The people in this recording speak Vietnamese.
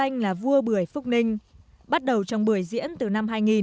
anh nguyễn văn dầu là vua bưởi phúc ninh bắt đầu trong bưởi diễn từ năm hai nghìn